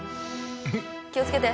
気を付けて。